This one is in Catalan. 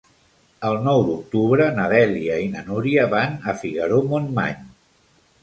El nou d'octubre na Dèlia i na Núria van a Figaró-Montmany.